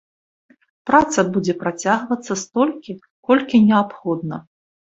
Праца будзе працягвацца столькі, колькі неабходна.